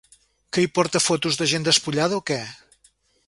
Que hi porta fotos de gent despullada o què?